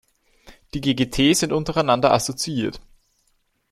Die ggT sind untereinander assoziiert.